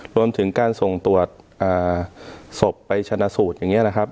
รวมถึงการส่งตรวจศพไปชนะสูตรอย่างนี้นะครับ